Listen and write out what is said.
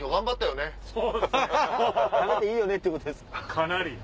かなり。